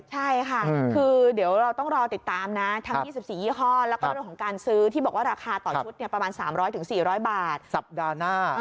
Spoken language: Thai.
ใช่ค่ะเดี๋ยวเราต้องรอติดตาม